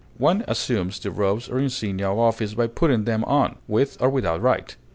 One assumes the robes or insignia of office by putting them on, with or without right.